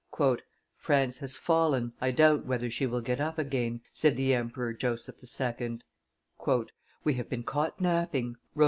"France has fallen, I doubt whether she will get up again," said the Emperor Joseph II. "We have been caught napping," wrote M.